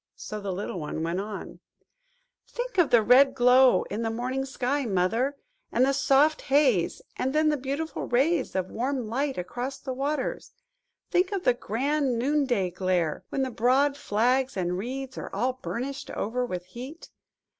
So the little one went on– "Think of the red glow in the morning sky, Mother, and the soft haze–and then the beautiful rays of warm light across the waters! Think of the grand noonday glare, when the broad flags and reeds are all burnished over with heat.